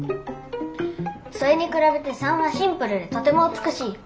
それに比べて「３」はシンプルでとても美しい。